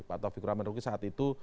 pak taufik kuraman ruki saat itu